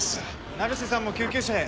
成瀬さんも救急車へ。